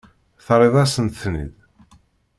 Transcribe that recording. Terriḍ-asent-ten-id.